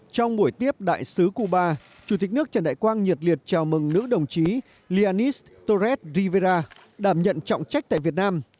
trong buổi tiếp đại sứ cuba chủ tịch nước trần đại quang nhiệt liệt chào mừng nữ đồng chí lianis torres rivera đảm nhận trọng trách tại việt nam